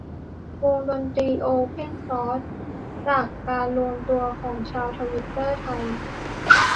วงดนตรีโอเพ่นซอร์ส จากการรวมตัวของชาวทวิตเตอร์ไทย